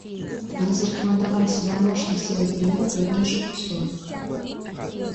Они зарекомендовали себя мощной силой перемен в труднейших условиях.